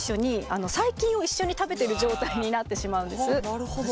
なるほど。